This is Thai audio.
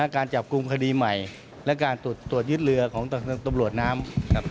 การจับกลุ่มคดีใหม่และการตรวจยึดเรือของตำรวจน้ำ